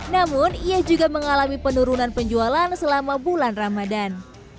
namun ia juga mengalami penurunan penjualan selama bulan ramadan